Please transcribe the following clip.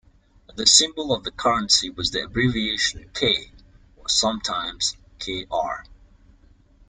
The symbol of the currency was the abbreviation K. or sometimes Kr.